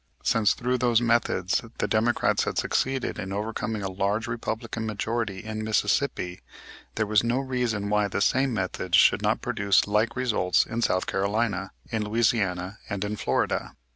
Since through those methods the Democrats had succeeded in overcoming a large Republican majority in Mississippi, there was no reason why the same methods should not produce like results in South Carolina, in Louisiana, and in Florida.